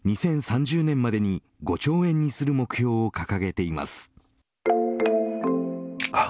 ２０３０年までに５兆円にする目標を掲げています。